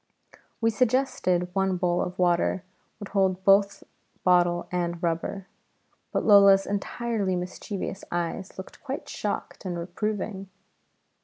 We suggested one bowl of water would hold both bottle and rubber; but Lola's entirely mischievous eyes looked quite shocked and reproving.